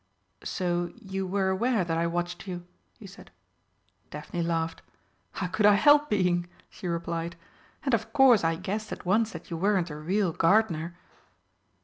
"So you were aware that I watched you?" he said. Daphne laughed. "How could I help being?" she replied. "And of course I guessed at once that you weren't a real gardener."